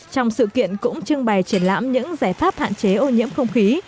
trong sự kiện cũng trưng bày triển lãm những giải pháp hạn chế ô nhiễm không khí